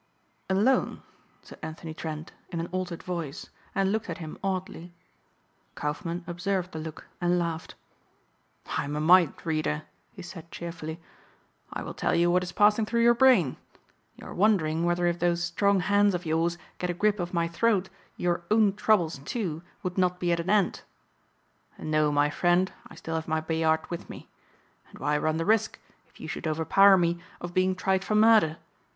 "Alone," said Anthony Trent in an altered voice and looked at him oddly. Kaufmann observed the look and laughed. "I am a mind reader," he said cheerfully, "I will tell you what is passing through your brain. You are wondering whether if those strong hands of yours get a grip of my throat your own troubles, too, would not be at an end. No, my friend, I still have my Bayard with me. And why run the risk, if you should overpower me, of being tried for murder?